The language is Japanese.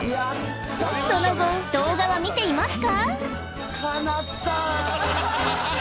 その後動画は見ていますか？